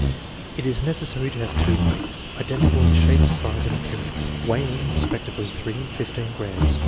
It is necessary to have two weights, identical in shape, size, and appearance, weighing respectively 3 and 15 grams.